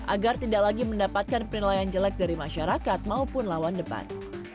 agar tidak lagi mendapatkan penilaian jelek dari masyarakat maupun lawan debat